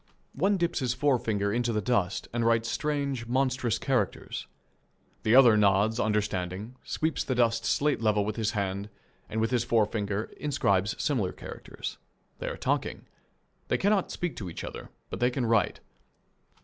One dips his forefinger in the dust and writes strange, monstrous characters. The other nods understanding, sweeps the dust slate level with his hand, and with his forefinger inscribes similar characters. They are talking. They cannot speak to each other, but they can write.